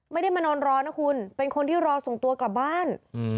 ไม่ได้มานอนรอนะคุณเป็นคนที่รอส่งตัวกลับบ้าน